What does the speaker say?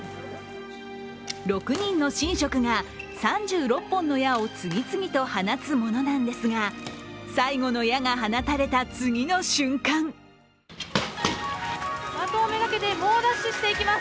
６人の神職が３６本の矢を次々と放つものなんですが最後の矢が放たれた次の瞬間的をめがけて猛ダッシュしていきます。